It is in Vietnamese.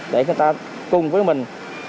để người ta cùng với mình